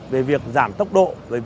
về việc giảm tốc độ